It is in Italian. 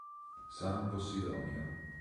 San Possidonio